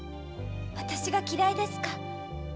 私が嫌いですか？